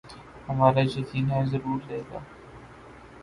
ہمارا یقین ہے ضرور لیگا